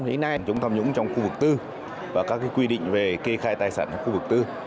đến nay chúng tham nhũng trong khu vực tư và các quy định về kê khai tài sản khu vực tư